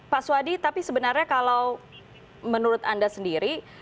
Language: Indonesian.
pak swadi tapi sebenarnya kalau menurut anda sendiri